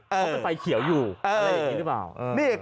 เพราะเป็นไฟเขียวอยู่อะไรอย่างนี้หรือเปล่า